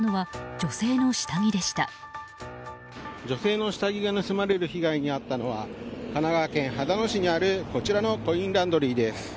女性の下着が盗まれる被害に遭ったのは神奈川県秦野市にあるこちらのコインランドリーです。